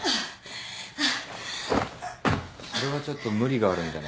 それはちょっと無理があるんじゃ。